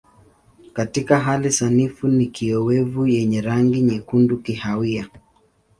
Katika hali sanifu ni kiowevu yenye rangi nyekundu kahawia.